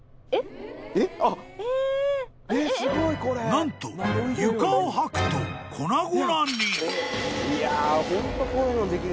［何と床を掃くと粉々に］